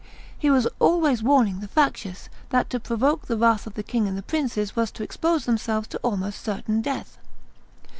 He was always warning the factious that to provoke the wrath of the king and the princes was to expose themselves to almost certain death.